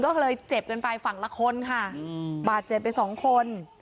ก็เลยเจ็บกันไปฝั่งละคนค่ะบาดเจ็บไปสองคน